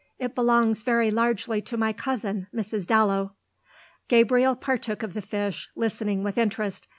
It belongs very largely to my cousin, Mrs. Dallow." Gabriel partook of the fish, listening with interest.